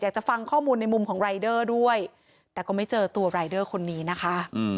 อยากจะฟังข้อมูลในมุมของรายเดอร์ด้วยแต่ก็ไม่เจอตัวรายเดอร์คนนี้นะคะ